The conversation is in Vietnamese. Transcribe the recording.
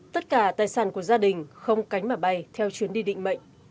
tất cả tài sản của gia đình không cánh mà bay theo chuyến đi định mệnh